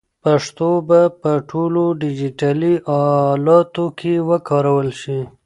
پښتو به په ټولو ډیجیټلي الاتو کې وکارول شي.